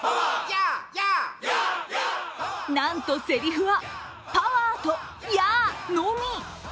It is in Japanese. なんと、せりふは「パワー」と「ヤー」のみ。